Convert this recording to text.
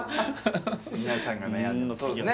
皆さんが悩んでますそうっすね